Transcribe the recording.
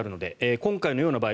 今回のような場合